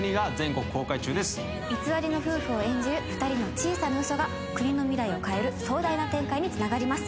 偽りの夫婦を演じる２人の小さな嘘が国の未来を変える壮大な展開につながります。